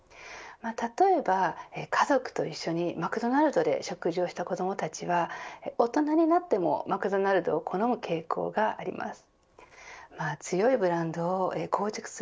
例えば家族と一緒にマクドナルドで食事をした子どもたちは大人になってもマクドナルドを好む傾向があります。